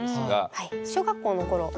はい。